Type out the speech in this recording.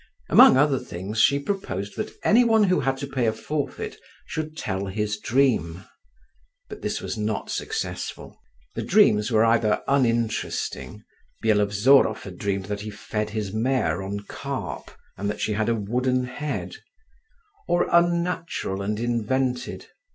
Among other things, she proposed that any one who had to pay a forfeit should tell his dream; but this was not successful. The dreams were either uninteresting (Byelovzorov had dreamed that he fed his mare on carp, and that she had a wooden head), or unnatural and invented.